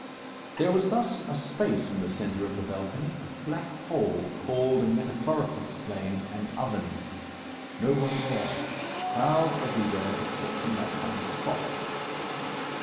There was thus a space in the centre of the balcony, a black hole, called in metaphorical slang, an oven. No one there. Crowds everywhere except in that one spot.